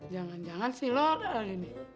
jangan jangan sih lo dari ini